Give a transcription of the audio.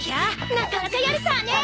なかなかやるさねえ！